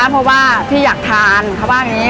เพราะว่าพี่อยากทานเขาว่าอย่างนี้